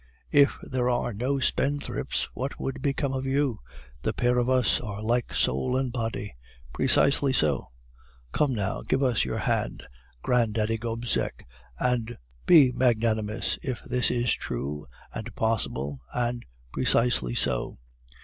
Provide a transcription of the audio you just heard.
"'If there were no spendthrifts, what would become of you? The pair of us are like soul and body.' "'Precisely so.' "'Come, now, give us your hand, Grandaddy Gobseck, and be magnanimous if this is "true" and "possible" and "precisely so."